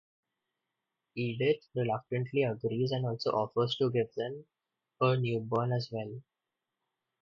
Edith reluctantly agrees and also offers to give them her newborn as well.